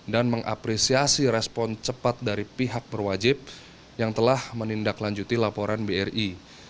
dan mengapresiasi respon cepat dari pihak berwajib yang telah menindaklanjuti laporan bri